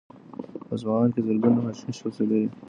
په اصفهان کې زرګونه فاحشې اوسېدلې.